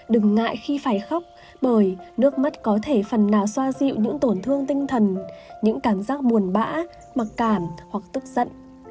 đừng ngại khi phải khóc bởi nước mắt có thể phần nào xoa dịu những tổn thương tinh thần những cảm giác buồn bã mặc cảm hoặc tức giận